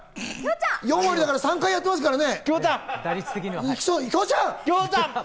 ４割だから、３回やってますからね。